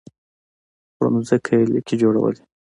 پر ځمکه يې ليکې جوړولې.